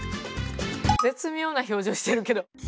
絶妙な表情してるけど。